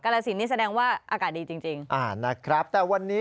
เดี๋ยวผมเก็บของให้